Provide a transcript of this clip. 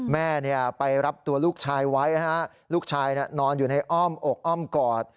แม่ไปรับตัวลูกชายไว้นะฮะลูกชายนอนอยู่ในอ้อมอกอ้อมกอด